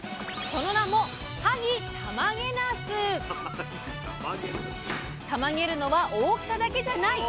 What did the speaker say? その名もたまげるのは大きさだけじゃない！